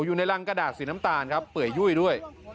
อยู่ในรังกระดาษสีน้ำตาลครับเปื่อยยุ่ยด้วย